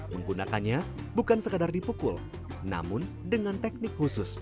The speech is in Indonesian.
menggunakannya bukan sekadar dipukul namun dengan teknik khusus